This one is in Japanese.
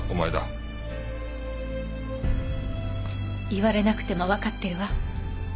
言われなくてもわかってるわ。